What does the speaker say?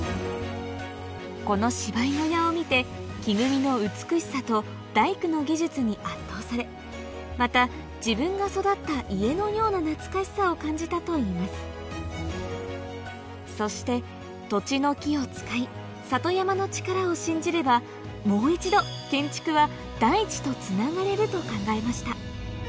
この芝居小屋を見て木組みの美しさと大工の技術に圧倒されまた自分が育った家のような懐かしさを感じたといいますそして土地の木を使い里山の力を信じればもう一度と考えました